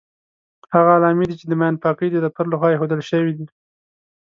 هغه علامې دي چې د ماین پاکۍ د دفتر لخوا ايښودل شوې دي.